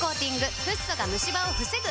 フッ素がムシ歯を防ぐ！